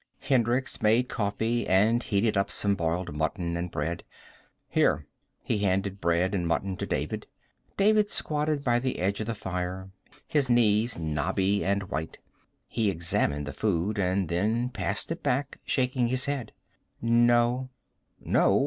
Hendricks made coffee and heated up some boiled mutton and bread. "Here." He handed bread and mutton to David. David squatted by the edge of the fire, his knees knobby and white. He examined the food and then passed it back, shaking his head. "No." "No?